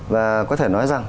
và có thể nói rằng